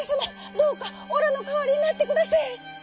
どうかおらのかわりになってくだせい」。